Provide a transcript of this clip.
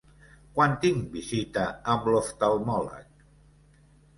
Quan tinc visita amb l'oftalmòleg?